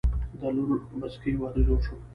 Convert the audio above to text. د لور بسکي وادۀ جوړ شو